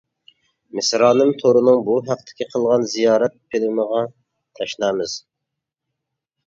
مىسرانىم تورىنىڭ بۇ ھەقتىكى قىلغان زىيارەت فىلىمىغا تەشنامىز.